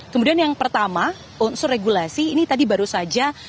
kemudian yang pertama unsur regulasi ini tadi baru saja